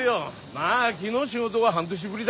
まあ木の仕事は半年ぶりだげどね。